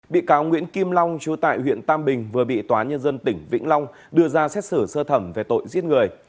bị cáo nguyễn kim long chú tại huyện tam bình vừa bị tòa nhân dân tỉnh vĩnh long đưa ra xét xử sơ thẩm về tội giết người